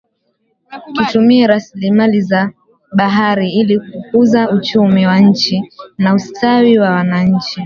Tutumie rasilimali za bahari ili kukuza uchumi wa nchi na ustawi wa wananchi